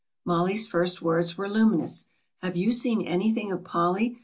Mollie's first words were luminous. "Have you seen anything of Polly?